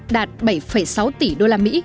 đạt bảy sáu tỷ usd